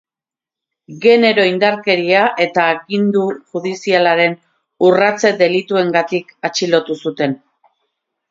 Genero indarkeria eta agindu judizialaren urratze delituengatik atxilotu zuten.